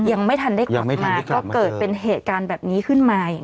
ยังไม่ทันได้กลับมาก็เกิดเป็นเหตุการณ์แบบนี้ขึ้นมาอีก